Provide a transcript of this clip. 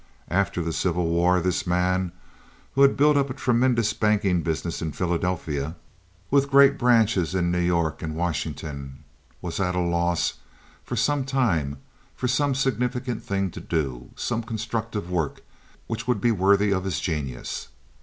After the Civil War this man, who had built up a tremendous banking business in Philadelphia, with great branches in New York and Washington, was at a loss for some time for some significant thing to do, some constructive work which would be worthy of his genius.